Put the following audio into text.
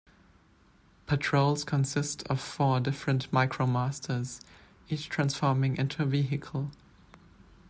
Patrols consist of four different Micromasters, each transforming into a vehicle.